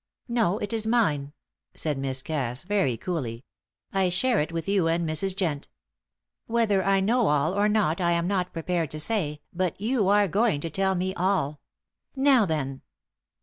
"No, it is mine," said Miss Cass, very coolly. "I share it with you and Mrs. Jent. Whether I know all or not I am not prepared to say, but you are going to tell me all. Now then!"